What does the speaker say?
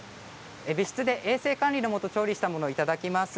別室で、衛生管理のもと調理したものをいただきます。